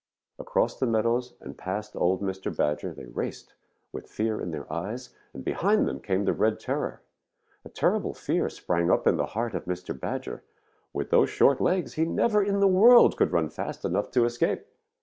Across the meadows and past old Mr. Badger they raced, with fear in their eyes, and behind them came the Red Terror. A terrible fear sprang up in the heart of Mr. Badger. With those short legs he never in the world could run fast enough to escape.